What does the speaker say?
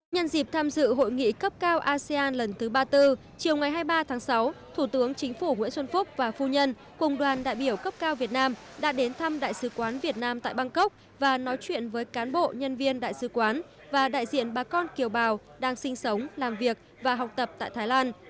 nhân dịp tham dự hội nghị cấp cao asean lần thứ ba mươi bốn chiều ngày hai mươi ba tháng sáu thủ tướng chính phủ nguyễn xuân phúc và phu nhân cùng đoàn đại biểu cấp cao việt nam đã đến thăm đại sứ quán việt nam tại bangkok và nói chuyện với cán bộ nhân viên đại sứ quán và đại diện bà con kiều bào đang sinh sống làm việc và học tập tại thái lan